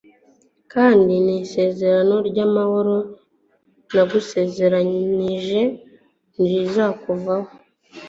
kandi n'isezerano ry'amahoro nagusezeraniye ntirizakuvaho,